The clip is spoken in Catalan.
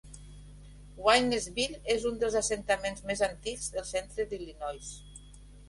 Waynesville és un dels assentaments més antics del centre d'Illinois.